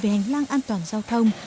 hành lang an toàn giao thông